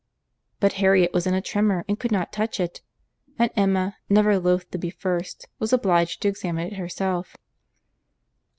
But Harriet was in a tremor, and could not touch it; and Emma, never loth to be first, was obliged to examine it herself.